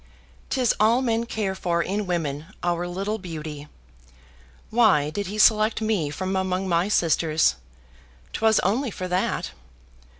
'Tis all men care for in women, our little beauty. Why did he select me from among my sisters? 'Twas only for that.